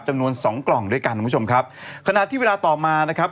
จำนวนสองกล่องด้วยกันคุณผู้ชมครับขณะที่เวลาต่อมานะครับ